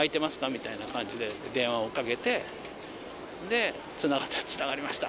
みたいな感じで電話をかけて、で、つながったら、つながりました！